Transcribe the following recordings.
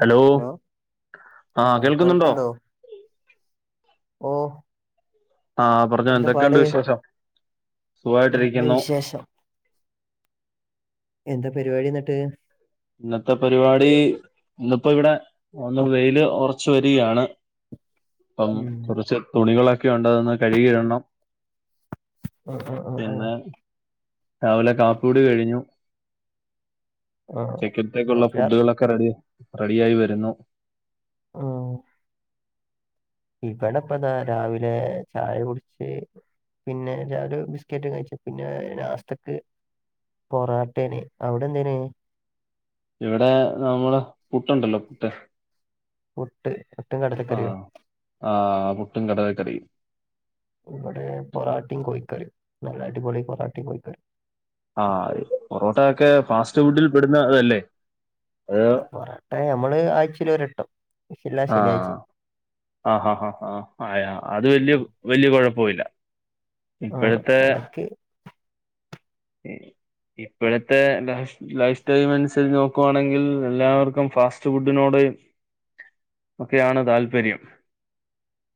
Hello ആഹ് കേൾക്കുന്നുണ്ടോ? ഓഹ് ആഹ് പറഞ്ഞോഎന്തൊക്കെണ്ട് വിശേഷം? നല്ല സുഖമായിട്ടിരിക്കുന്നു വിശേഷം. എന്താ പരിപാടി എന്ന്ട്ട്? ഇന്നത്തെ പരിപാടി ഇന്ന്പ്പവിടെ ഒന്ന് വെയില് ഉറച്ച് വരിയാണ്. പ്പം ഉം കൊറച്ച് തുണികളൊക്കെ ഉണ്ട് അതൊന്ന് കെഴ്കിടണം ആഹ് ആഹ് ആഹ് രാവിലെ കാപ്പി കുടി കഴിഞ്ഞു ആഹ് ഉച്ചക്കത്തേക്കുള്ള കാപ്പിയാർ ഫുഡുകളൊ ക്കെറെഡി റെഡിയായി വരുന്നു ആഹ് ഇവടെപ്പതാ രാവിലെ ചായ കുടിച്ച് പിന്നെ ഞാനും ബിസ്ക്കറ്റ് കഴിച്ച് പിന്നെ നാസ്തക്ക് പൊറോട്ടേന് അവിടെ എന്തേന്? ഇവിടെ നമ്മള് പുട്ടുണ്ടല്ലോ പുട്ട് പുട്ട് പുട്ടും കട ആഹ് ആഹ് പുട്ടും കടലക്കറിയും ഇവിടെ പൊറാട്ടയും കോഴ്ക്കറിയും നല്ലടിപൊളി പൊറാട്ടയും കോഴിക്കറിയും ആഹ് പൊറോട്ട ഒക്കെ ഫാസ്റ്റ് ഫുഡിൽ പെടുന്നതല്ലേ? അത് പൊറാട്ട നമ്മള് ആഴ്ചൽ ഒരട്ടം എല്ലാ ആഹ് ശനിയാഴ്ചയും ആഹ് ആഹ് ആ ആ അത് വല്യ വല്യ കുഴപ്പവില്ല, ആഹ് ഇപ്പഴത്തെ ഇടക്ക് ഇപ്പഴത്തെ ലൈ ലൈഫ് സ്റ്റൈം അനുസരിച്ച് നോക്കുവാണെങ്കിൽ എല്ലാവർക്കും ഫാസ്റ്റ് ഫുഡിനോട് ഒക്കെയാണ് താല്പര്യം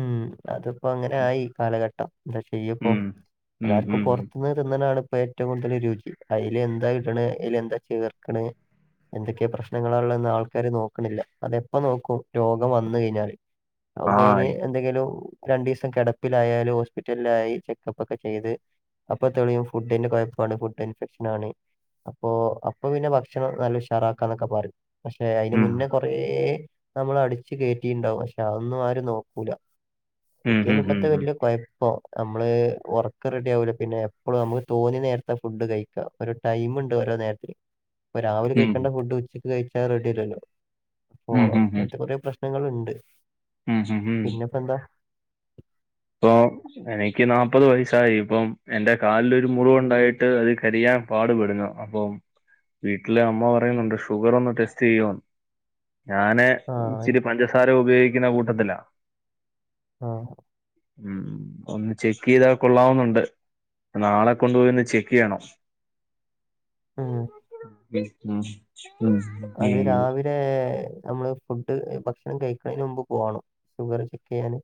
ഉം അതിപ്പോ അങ്ങനെ ആയി കാലഘട്ടം എന്താച്ചെയ്യപ്പോ ഉം ഉം ഉം ഉം എല്ലാർക്കുംപൊറത്ത് ന്ന് തിന്നണതാണ് ഇപ്പ ഏറ്റവും കൂടുതൽ രുചി അതിൽ എന്താ ഇടണ് അയ്ൽ എന്താ ചേർക്കണ് എന്തൊക്കെയ പ്രശ്നങ്ങളാള്ളെന്ന് ആൾക്കാര് നോക്കണില്ല അതെപ്പോ നോക്കും രോഗം വന്ന് കഴിഞ്ഞാല് ഒക്കെ ഇനി ആയി എന്തെങ്കിലും രണ്ടു ദിവസം കിടപ്പിലായാലും ഹോസ്പിറ്റലിലായി ചെക്കപ്പ് ഒക്കെ ചെയ്ത് അപ്പൊ തെളിയും ഫുഡിന്റെ കുഴപ്പാണ് ഫുഡ് ഇൻഫെക്ഷൻ ആണ് അപ്പൊ അപ്പൊ പിന്നെ ഭക്ഷണം നല്ല ഉഷാറാക്കാന്നൊക്കെ പറയും പക്ഷെ അയ്ന് ഉം മുന്നേ കൊറേ നമ്മൾ അടിച്ചു കയറ്റിണ്ടാവും പക്ഷെ അതൊന്നും ആര് നോക്ക ക്കൂല ഉം ഇതൊക്കെ ഉം ആണ് ഉം ഇപ്പത്തെ ഉം വല്യ കുഴപ്പം നമ്മള് ഉറക്ക് റെഡി ആവൂല പിന്നെ എപ്പളും നമുക്ക് തോന്നി നേരത്ത ഫുഡ് കഴിക്കാ ഒരു ടൈംമുണ്ട് ഓരോ നേരത്തിന് പ്പൊ രാവിലെ ഉം കഴിക്കേണ്ട ഫുഡ് ഉച്ചക്ക് കഴിച്ചാൽ റെഡി അല്ലല്ലോ അപ്പൊ ഉം ഉം അങ്ങനത്തെ ഉം കൊറെ പ്രശ് ശ്നങ്ങള്ണ്ട് ഉം മ്ഹ് ഹ് പ്പെന്താ ഇപ്പോം എനിക്ക് നാല്പത് വയസായി ഇപ്പം എന്റെ കാലിലൊരു മുറിവുണ്ടായിട്ട് അത് കരിയാൻ പാടുപെടുന്നു അപ്പം വീട്ടിലെ അമ്മ പറയുന്നുണ്ട് ഷുഗർ ഒന്ന് ടെസ്റ്റ് ചെയ്യോന്ന് ഞാന് ആ ഇച്ചിരി പഞ്ചസാര ഉപയോഗിക്കുന്ന കൂട്ടത്തില ആഹ് ഉം ഒന്ന് ചെക്ക് ചെയ്ത കൊള്ളാവുന്നുണ്ട് നാളെ കൊണ്ടു പോയി ഒന്ന് ചെക്ക് ചെയ്യണം ഉം ഉം മ്ഹ് അത് രാവി ലെ നമ്മള് ഫുഡ് ഭക്ഷണം കഴിക്കണെന് മുമ്പ് പോണം ഷുഗറ് ചെക്ക് ചെയ്യാന്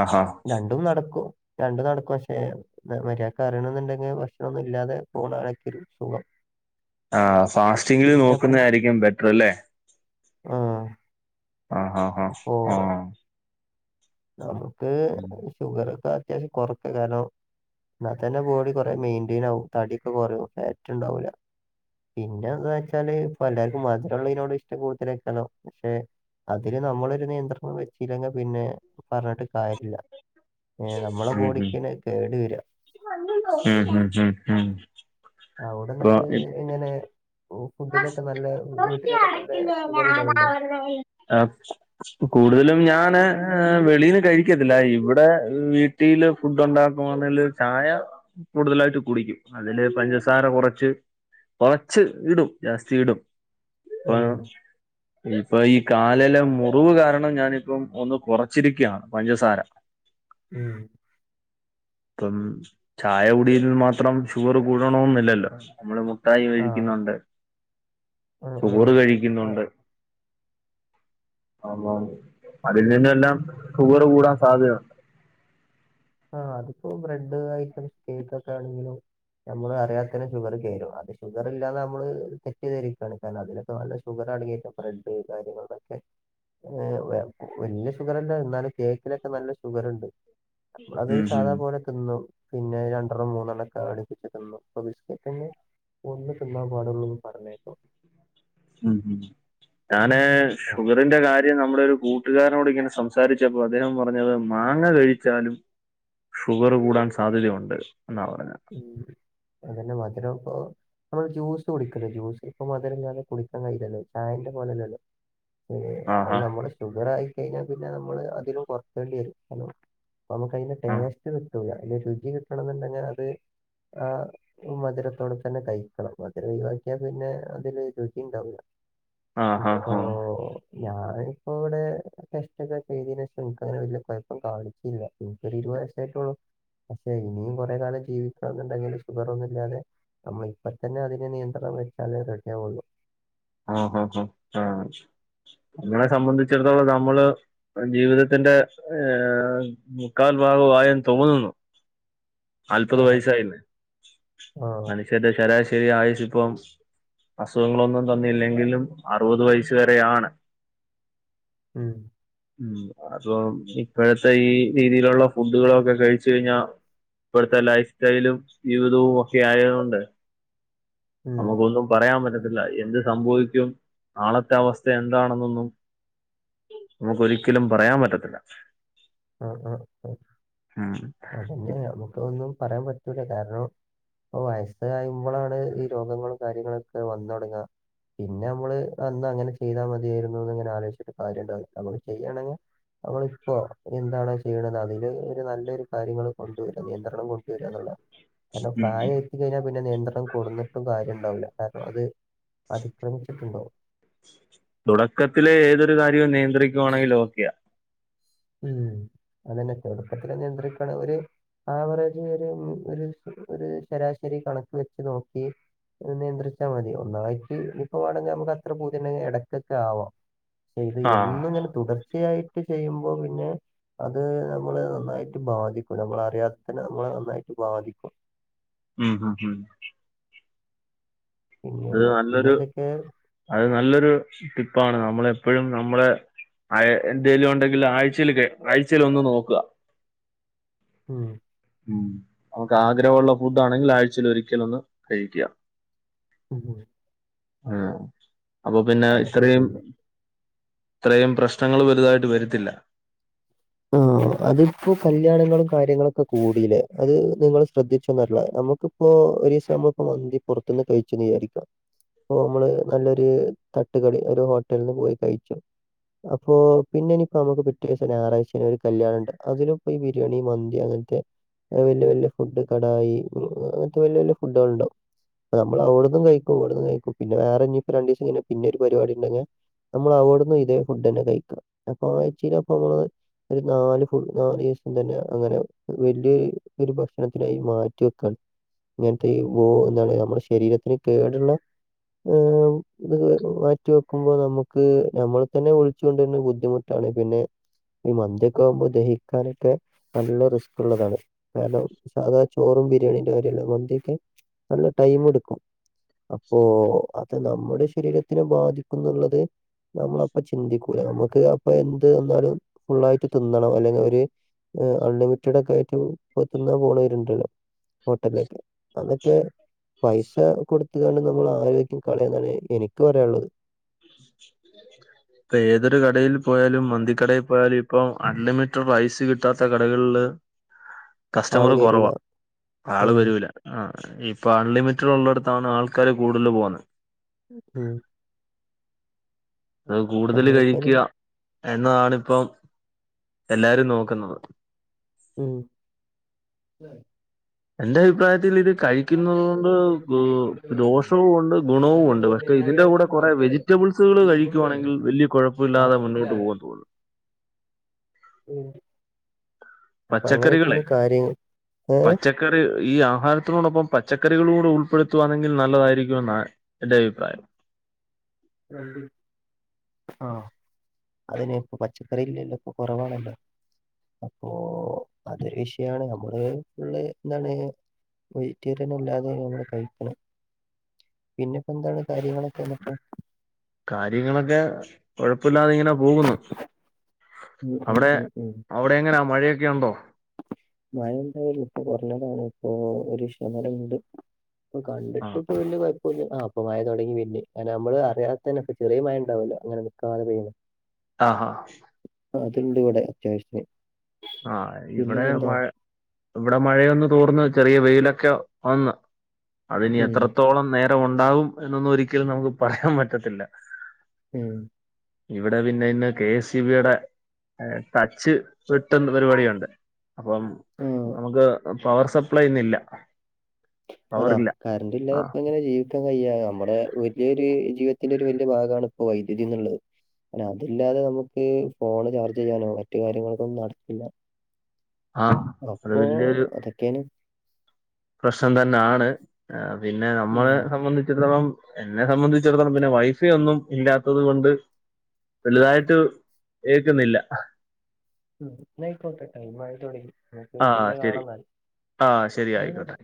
ആഹാ രണ്ടും നടക്കും രണ്ടും നടക്കും പക്ഷെ മര്യാദക്ക് അറിയണം എന്നുണ്ടെങ്കിൽ ഭക്ഷണോന്നും ഇല്ലാതെ പോണതായിരിക്കും ഒരു സുഖം ആഹ് ഫാസ്റ്റിങ്ങില് പിന്നെ നോക്കുന്നതായിരിക്കും ബെറ്റർ അല്ലേ മ്ഹ് ആഹ് ഹാ ഹാ ആഹ് നമുക്ക് ഉം. ഷുഗർ ഒക്കെ അത്യാവശ്യം കൊറക്ക കാരണം എന്നാ തന്നെ ബോഡി കൊറേ മെയിന്റെയ്ൻ ആകും തടിയൊക്കെ കൊറയും ഫാറ്റ് ഇണ്ടാവൂല പിന്നെ എന്താ വെച്ചാല് ഇപ്പ എല്ലാവർക്കും മധുരമുള്ളതിനോട് ഇഷ്ടം കൂടുതലായിരിക്കല്ലോ പക്ഷെ അതില് നമ്മളൊരു നിയന്ത്രണം വെച്ചില്ലെങ്കിൽ പിന്നെ പറഞ്ഞിട്ട് കാര്യല്ല ഏഹ് നമ്മളെ ഉം, ഉം. ബോഡിക്കന്നേ കേട് വരികാ ഉം, ഉം, ഉം, ഉം. ഇപ്പൊ അവിടെന്നിട്ട് ഇ- എങ്ങനെ? ഓഹ് ഫുഡിലൊക്കെ നല്ലെ വീട്ടിലൊക്കെ നല്ലെ ഷുഗർ ഇടലുണ്ടോ? ആഹ് കൂടുതലും ഞാന് ഏഹ് വെളീന്ന് കഴിക്കത്തില്ല ഇവ്ടെ വീ ട്ടിയില് ഫുഡ് ഒണ്ടാക്കുവാണേല് ചായ കൂടുതലായിട്ട് കുടിക്കും അതില് പഞ്ചസാര കൊറച്ച് കൊറച്ച് ഇടും. ജാസ്തി ഇടും ഇപ്പ ഉം, ഇപ്പൊ ഈ കാലിലെ മുറിവ് കാരണം ഞാനിപ്പം ഒന്ന് കുറച്ചിരിക്കാണ് പഞ്ചസാര. [inaudible] ഉം. [inaudible] ഇപ്പം ചായ കുടിയിൽ മാത്രം ഷുഗർ കൂടണോന്നില്ലല്ലോ നമ്മള് മു ട്ടായി ആ കഴിക്കുന്നൊണ്ട്. ഉം, ഉം. ചോറ് ആ, കഴിക്കുന്നൊണ്ട്. [unintelligible] അതിൽ നിന്നെല്ലാം ഷുഗറ് കൂടാൻ സാധ്യത ആഹ് അതിപ്പോ ബ്രെഡ് ഐറ്റംസ് കേക്കൊക്കെ ആണെങ്കിലും നമ്മള് അറിയാതെ ത്തന്നെ ഷുഗറ് കേറും അത് ഷുഗറില്ലാന്ന് നമ്മള് തെറ്റ്ദ്ധരിക്കാണ് കാരണം അതില് ഇപ്പൊ നല്ല ഷുഗറടങ്ങീട്ട ബ്രെഡ് കാര്യങ്ങളൊക്കെ. ഏഹ് വ വല്യ ഷുഗറല്ല എന്നാലും കേക്കിലൊക്കെ നല്ല ഷുഗറ്ണ്ട്. അമ്മളത് ഉം ഉം സാധാ പോലെ തിന്നും പിന്നെ രണ്ട്രണ്ണം മൂന്നെണ്ണക്കെ അട്പ്പിച്ച് തിന്നും ഇപ്പൊ ബിസ്കറ്റൊന്നും. ഒന്ന് തിന്നാൻ പാടുള്ളൂന്ന് പറഞ്ഞേക്കാ. ഉം ഞാന് ഷുഗറിന്റെ കാര്യം നമ്മുടെ ഒരു കൂ ട്ടുകാരനോട് ഇങ്ങനെ സംസാരിച്ചപ്പോ അദ്ദേഹം പറഞ്ഞത് മാങ്ങ കഴിച്ചാലും ഷുഗറ് കൂടാൻ സാധ്യതയുണ്ട് എന്നാ പറഞ്ഞത്. ഉം അതന്നെ മധുരം പ്പോ അമ്മള് ജ്യൂസ് കുടിക്ക്ല്ലെ ജ്യൂസ് ഇപ്പൊ മധുരംല്ലാതെ കുടിക്കാൻ കഴില്ലല്ലോ ചായന്റെ പോലല്ലല്ലോ. ഹ് അത് ആഹാ നമ്മള് ഷുഗറായി കയ്ഞ്ഞാ പിന്നെ നമ്മള് അതിലും കൊർക്കെണ്ടിയരും കാരണം ഇപ്പം നമുക്കയ്ന്റെ ആഹ് ടേസ്റ്റ് കിട്ട് ട്ടൂല അയ്ന്റെ രുജി കിട്ടണംന്നുണ്ടെങ്കി അത് ആഹ്. ഈ മധുരത്തോടെ തന്നെ കയിക്കണം മധുരം ഒയ് വാക്കിയാ പിന്നെ അതില് രുജി ണ്ടാവൂല. ആഹ് ആഹ് ഇപ്പൊ ആഹ് ഞാനിപ്പോ വ്ടെ കഷ്ട്ടപ്പെട്ട് എയ്തിനേഷം ഇൻക്കങ്ങനെ വല്യ കൊയ്പ്പം കാണിക്കില്ല. ഇൻക്കൊരു ഇരുവത് വയസ്സായിട്ടുള്ളു പക്ഷേ ഇനിയും കൊറേ കാലം ജീവി ക്കണന്ന്ണ്ടെങ്കില് ഷുഗറൊന്നുല്ലാതെ നമ്മൾ ഇപ്പ തന്നെ അതിനെ നിയന്ത്രണം വെച്ചാല് റെഡിയാവുള്ളൂ. ആ ഉം ഉം ആ ഇങ്ങളെ സംബന്ധിച്ചിടത്തോളം നമ്മള് പ്പം ജീവിതത്തിന്റെ മുക്കാൽ ഭാഗു ആയെന്ന് തോന്നുന്നു. നാല്പത് വയസ്സായില്ലെ ആ മനുഷ്യന്റെ ശരാശരി ആയുസിപ്പം അസുഖങ്ങളൊന്നും തന്നില്ലെങ്കിലും അറുപത് വയസ് വരെയാണ്. ഉം. ഉം അതും ഇപ്പൊഴത്തെ ഈ രീതിയിലുള്ള ഫുഡുകളൊക്കെ കൈച്ച് കഴിഞ്ഞാ ഇപ്പോഴത്തെ ലൈഫ് സ്റ്റൈലും ജീവിതവും ഒക്കെ ആയതൊണ്ട് ഉം നമുക്കൊന്നും പറയാൻ പറ്റത്തില്ല എന്ത് സംഭവിക്കും നാളത്തെ അവസ്ഥ എന്താണെന്നൊന്നും. നമുക്കൊരിക്കലും പറയാൻ പറ്റത്തില്ല. ഉം ഉം ഉം അതന്നെ നമുക്ക് ഒന്നും പറയാൻ പറ്റൂല കാര്ണം. ഇപ്പൊ വയസ്സ് കയുമ്പളാണ് ഈ രോഗങ്ങളും കാര്യങ്ങളൊക്കെ വന്നൊട്ങ്ങാ. പിന്നെ നമ്മള് അന്ന് അങ്ങനെ ചെയ്താ മതിയായിരുന്നുന്ന് ഇങ്ങനെ ആലോയ്ച്ചിട്ട് കാര്യംണ്ടാവില്ല നമ്മള് ചെയ്യാണെങ്കി നമ്മളിപ്പൊ എന്താണോ ചെയ്യ്ണത് അതില് ഒരു നല്ലൊരു കാര്യങ്ങള് കൊണ്ടുവരാ നിയന്ത്രണം കൊണ്ടുവരാന്നുള്ളതാ കാര്ണം ഉം പ്രായായ് ത്തി കൈഞ്ഞാ പിന്നെ നിയന്ത്രണം കൊട്ന്നിട്ടും കാര്യണ്ടാവ് ല കാര്ണം അത് അതിക്രമിച്ചിട്ടുണ്ടാവും. തുടക്കത്തിലെ ഏതൊരു കാര്യവും നിയന്ത്രിക്കുവാണെങ്കി ഓക്കെയാ. ഉം അതെന്നെ തുടക്കത്തില് നിയന്ത്രിക്കാണ് ഒര് ആവറേജ് ഒര് ഒര് ഒര് ശരാശരി കണക്ക് വെച്ച് നോക്കി നിയന്ത്രിച്ചാ മതി ഒന്നായ്റ്റ് നി പ്പ വാണെങ്കി നമുക്ക് അത്ര പൂതിണ്ടെങ്കി എടക്ക്ക്ക ആവാം ക്ഷേ ഇത് ആഹ് എന്നും ങ്ങനെ തുടർച്ചയായിട്ട് ചെയ്യുമ്പോ പിന്നെ അത് നമ്മളേ നന്നായിട്ട് ബാധിക്കും നമ്മള് അറിയാത്തന്നെ നമ്മള നന്നായിട്ട് ബാധിക്കും ഉം ഉം ഉം പിന്നെ അത് നല്ലൊരു പിന്നെന്തൊക്കെ അത് നല്ലൊരു ടിപ്പാണ് നമ്മളെപ്പോഴും നമ്മളെ ആ എന്തെലും ഉണ്ടെങ്കിൽ ആഴ്ചെലൊക്കെ ആഴ്ചേലൊന്ന് നോക്കുക ഉം ഉം നമുക്ക് ആഗ്രഹമുള്ള ഫുഡ് ആണെങ്കിൽ ആഴ്ചൽ ഒരിക്കലൊന്ന് കഴിക്കക ഉം ഉം അപ്പൊ പിന്നെ അതൊക്കെ ഇത്രയും പിന്നെ ഇത്രയും പ്രശ്നങ്ങള് വലുതായിട്ട് വരത്തില്ല ആ [inaudible] അതിപ്പോ കല്യാണങ്ങളും കാര്യങ്ങളൊക്കെ കൂടിലെ അത് നിങ്ങള് ശ്രദ്ധിച്ചൊന്നറില്ല നമുക്ക് ഇപ്പൊ ഒരീസം നമ്മള് ഇപ്പൊ മന്തി പുറത്തുന്ന് കഴിച്ചു വിചാരിക്കാ പ്പൊ നമ്മള് നല്ലൊരു തട്ടുകടി ഒരു ഹോട്ടൽന്ന് പോയി കഴിക്കും അപ്പൊ പിന്നെനിപ്പോ നമുക്ക് ഞായാഴ്ച പിന്നെ ഒരു കല്യാണം ഉണ്ട് അതിലപ്പോഈ ബിരിയാണി മന്തി അങ്ങനത്തെ വല്യ വല്യ ഫുഡ് കടായി അങ്ങനത്തെ വല്യ വലിയ ഫുഡുകൾ ഉണ്ടാവും നമ്മൾ അവിട നിന്ന് കഴിക്കും ഇവിടന്നും കഴിക്കും പിന്ന വേറെ ഇനി ഇപ്പ രണ്ട് ദിവസം കഴിഞ പിന്നെ ഒരു പരിപാടി ഉണ്ടെങ്കെ നമ്മൾ അവിട്ന്ന് ഇതേ ഫുഡ് തന്നെ കഴിക്കാ അപ്പൊ ആഴ്ചയില് അപ്പൊ നമ്മള് ഒരു നാല് ഫു നാല് ദിവസം തന്നെ അങ്ങനെ വലിയ ഒരു ഭക്ഷണത്തിനായി മാറ്റി വെക്കാണ് ഇങ്ങനത്തെ ഈ എന്താണ് നമ്മുടെ ശരീരത്തിന് കേടുള്ള ഏഹ് ഇത് മാറ്റി വെക്കുമ്പോൾ നമുക്ക് നമ്മൾ തന്നെ വിളിച്ചോണ്ടര്ണെ ബുദ്ധിമുട്ട് ട്ടാണ് പിന്നെ ഈ മന്തി ഒക്കെ ആവുമ്പോൾ ദഹിക്കാനൊക്കെ നല്ല റിസ്ക് ഉള്ളതാണ് കാരണം സാധാരണ ചോറും ബിരിയാണിന്റെ കാര്യല്ല മന്തിയൊക്കെ നല്ല ടൈമ് എടക്കും അപ്പോ അത് നമ്മുടെ ശരീരത്തിനെ ബാധിക്കുന്നുള്ളത് നമ്മളപ്പൊ ചിന്തിക്കൂല നമുക്ക് അപ്പൊ എന്ത് വന്നാലും ഫുള്ളായിട്ട് തിന്നണം അല്ലെങ്കിൽ ഒരു ഏഹ് അൺലിമിറ്റഡ് ഒക്കെ ആയിട്ട് ഇപ്പൊ തിന്നാ പോണവരുണ്ടല്ലോ ഹോട്ടലിലേക്ക് അതൊക്കെ പൈസ കൊടുത്തുകണ്ട് നമ്മൾ ആരോഗ്യം കളയന്നാണ് എനിക്ക് പറയാനുള്ളത് ഇപ്പ ഏതൊരു കടയിൽ പോയാലും മന്തിക്കടയിൽ പോയാലും ഇപ്പം അൺലിമിറ്റഡ് റൈസ് കിട്ടാത്ത കടകളില് ആള് കസ്റ്റമർ കയറൂല കുറവാ ആ ആള് വരൂല ആഹ് ഇപ്പൊ അൺലിമിറ്റഡ് ഉള്ളടത്താണ് ആൾക്കാര് കൂടുതൽ പോകുന്നത് ഉം അത് കൂടുതൽ അങ്ങനെയൊക്കെയാണ് കഴിക്ക എന്നതാണ്പ്പം എല്ലാരും നോക്കുന്നത് ഉം എന്റെ അഭിപ്രായത്തിൽ ഇത് മറ്റേ കഴിക്കുന്നുന്നത് പോസ്റ്റർ ഗ്രൂപ്പുകളിൽ കൊണ്ട് വിടല് ദോഷവും ഉണ്ട് ഗുണവും മറ്റേ ഉണ്ട് പോ പക്ഷെ ഇതിന്റെ കൂടെ വിനായകരാജന്റെ കുറെ പോസ്റ്ററെ വെജി റ്റബിൾസുകൾ ഗ്രൂപ്പുകളിൽ വിടല് കഴിക്കുകുവാണെങ്കിൽ വലിയ കുഴപ്പമില്ലാതെ മുന്നോട്ട് പോകൻ തോന്നുന്ന് അപ്പ അങ്ങനെയൊക്കെയാണ് കാര്യങ്ങൾ ഏഹ് ആൾക്കാര് ഈ ആഹാരത്തിനോടൊപ്പം പച്ചക്കറികളൂടെ ഉൾപ്പെടുത്തുവാണെങ്കിൽ നല്ലതായിരിക്കും എന്നാ എന്റെ അഭിപ്രായം [unintelligible] ആഹ് അതിനെ ഇപ്പ പച്ചക്കറില്ലല്ലോ ഇപ്പകുറവാണല്ലോ ഓഹ് അതൊരു വിഷയമാണ് നമ്മള് ഫുള്ള് എന്താണ് വെറ്റീറിയൻ അല്ലാതെ നമ്മുടെ കഴിക്കുന്നത് പിന്നെപ്പെന്താണ്. കാര്യങ്ങളൊക്കെ [unintelligible] കാര്യങ്ങളൊക്കെ കൊഴപ്പല്ലാതെ ഇങ്ങനെ പോകുന്നു. ഉം ഉം ഉം ഉം അവടെ എങ്ങന മഴയൊക്കെ ഉണ്ടോ? മഴ ഉണ്ടായാര്ന്ന് ഇപ്പൊ കൊറഞ്ഞതാണ് ഇപ്പൊ ഒരു ശമനണ്ട് പ്പൊ കണ്ടിട്ട് ആഹ് ഇപ്പം പിന്നേ വല്യകൊഴപ്പൊന്ന് ആഹ് ഇപ്പ മഴ തൊടങ്ങി പിന്നിം നമ്മള് അറിയാതെന്നെ ഇപ്പ ചെറിയെ മഴ ഉണ്ടവോല്ലോ ങ്ങന നിക്കാതെ പെയ്യുന്ന ആഹ് ഹാ അതിണ്ട് ഇവിടെ അത്യാവശ്യത്തിന്. ആഹ് ഇവിടെ പിന്നെപ്പെന്താ മഴ ഇവിടെ മഴയൊന്ന് തൂർന്ന് ചെറിയ വെയിലൊക്കെ വന്ന് അതിനി ഉം, എത്ര ത്രത്തോളം നേരം ഉണ്ടാവും എന്നൊന്നും ഒരിക്കലും നമുക്ക് പറയാൻ പറ്റത്തില്ല.. ഉം ഇവിടെ പിന്നെ ഇന്ന് കെ എസ് സി ബിയുടെ ഹേ ടച്ച് റ്റ് പരിപാടിയുണ്ട് അപ്പം ആഹ് നമുക്ക് പവർ സപ്ലൈ ന്ന്ല്ല. അതാ കറണ്ട് ഇല്ലാതെപ്പ എങ്ങനെയ ജീ ക്കാൻ കയ്യ നമ്മടെ വല്ല്യോര് ജീവിതത്തിന്റെ ഒരു വല്ല്യ ഭാഗാണ് ഇപ്പോ വൈദ്യുതി ന്ന്ള്ളത്. ഞ അതല്ലാതെ നമുക്ക് ഫോണ് ചാർജ് ചെയ്യാനോ മറ്റു കാര്യങ്ങളൊക്കൊന്നു നടക്കില്ല. ആ അത് അപ്പൊ വലിയൊരു അതക്കേണ് പ്രശ്നം തെന്നാണ് പിന്നെ ഉം. നമ്മളെ സംബന്ധിച്ചടത്തോളം എന്നെ സംബന്ധിച്ചിടത്തോളം പിന്നെ വൈഫൈ ഒന്നും ഇല്ലാത്തത് കൊണ്ട് വലുതായിട്ട് ഏക്കുന്നില്ല. മ്മ് ന്നയിക്കോട്ടെ ടൈംമായി തൊടങ്ങി. ആഹ് ശരി ആഹ് ശരി എന്നായിക്കോട്ടെ. ആയിക്കോട്ടെ.